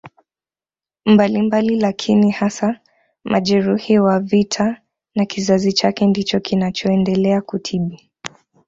mbalimbali lakini hasa majeruhi wa vita na kizazi chake ndicho kinachoendelea kutibu